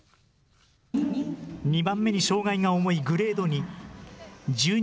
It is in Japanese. ２番目に障害が重いグレード２。